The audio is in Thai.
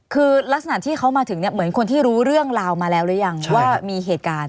คือลักษณะที่เขามาถึงเนี่ยเหมือนคนที่รู้เรื่องราวมาแล้วหรือยังว่ามีเหตุการณ์